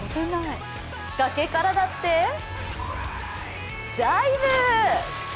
崖からだってダイブ！